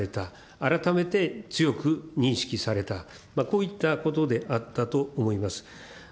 改めて強く認識された、こういったことであったと思います。